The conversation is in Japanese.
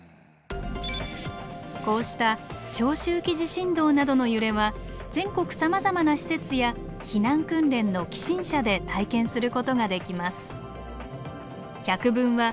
こうした長周期地震動などの揺れは全国さまざまな施設や避難訓練の起震車で体験することができます。